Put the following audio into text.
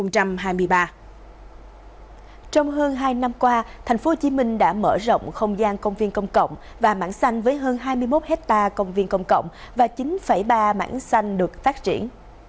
trong hơn hai năm qua tp hcm đã mở rộng không gian công viên công cộng và mảng xanh với hơn hai mươi một hectare công viên công cộng và chín ba mảng xanh được phát triển